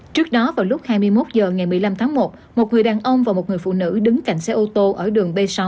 trước đó vào lúc hai mươi một h ngày một mươi năm tháng một một người đàn ông và một người phụ nữ đứng cạnh xe ô tô ở đường b sáu